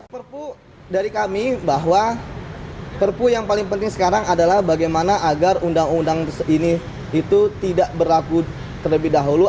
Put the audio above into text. perpu dari kami bahwa perpu yang paling penting sekarang adalah bagaimana agar undang undang ini itu tidak berlaku terlebih dahulu